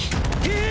え